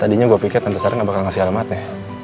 tadinya gue pikir tante sarah nggak bakal ngasih alamatnya